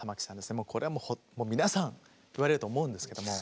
もうこれはもう皆さん言われると思うんですけども。